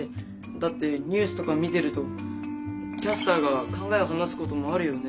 だってニュースとか見てるとキャスターが考えを話すこともあるよね。